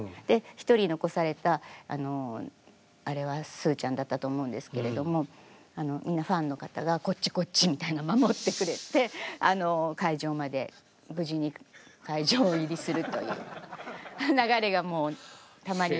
一人残されたあれはスーちゃんだったと思うんですけれどもみんなファンの方が「こっちこっち」みたいな守ってくれて会場まで無事に会場入りするという流れがたまにありましたね。